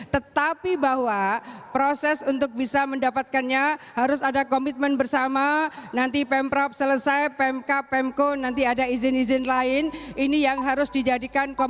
tetapi banyak yang tidak